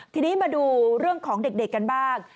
ทีนี้มาดูเรื่องของเด็กกันบ้าง